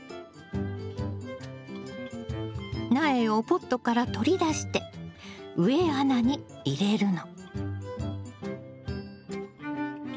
苗をポットから取り出して植え穴に入れるの。